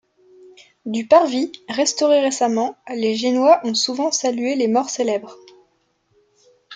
Du parvis, restauré récemment, les Génois ont souvent salué les morts célèbres.